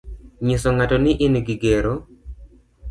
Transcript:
nyiso ng'ato ni in gi gero.